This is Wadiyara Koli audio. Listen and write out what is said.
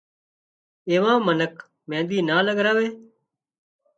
ايوان منک مينۮِي نا لڳراوي